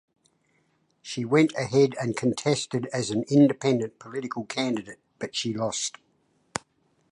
She went ahead and contested as an Independent political candidate but she lost.